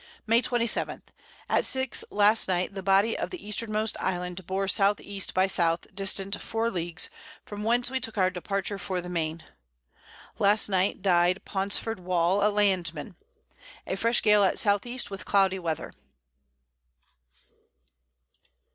May 27. At 6 last Night the Body of the Eastermost Island bore S. E. by S. distant 4 Leagues, from whence we took our Departure for the Main. Last Night died Paunceford Wall, a Land man. A fresh Gale at S. E. with cloudy Weather.